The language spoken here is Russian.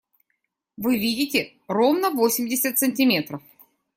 Вы видите? Ровно восемьдесят сантиметров!